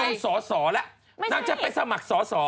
จะลงสอสอละนางจะไปสมัครสอสอ